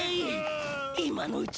今のうち。